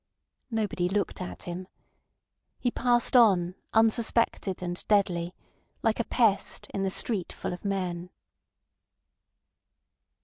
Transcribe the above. Nobody looked at him. He passed on unsuspected and deadly, like a pest in the street full of men.